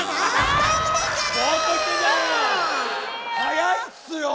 早いっすよ！